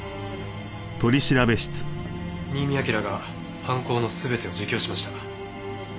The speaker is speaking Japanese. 新見アキラが犯行の全てを自供しました。